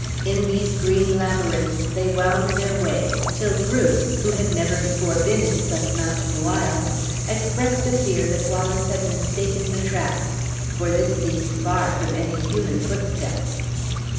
In these green labyrinths they wound their way, till Bruce, who had never before been in such mountain wilds, expressed a fear that Wallace had mistaken the track; for this seemed far from any human footstep.